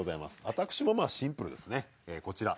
私もシンプルですねこちら。